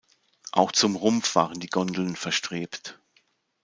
Auch zum Rumpf waren die Gondeln verstrebt.